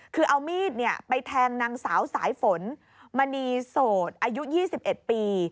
คือเอามีดไปแทงนางสาวสายฝนมณีโสดอายุ๒๑ปี